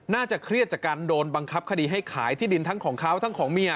น่าจะเครียดจากการโดนบังคับคดีให้ขายที่ดินทั้งของเขาทั้งของเมีย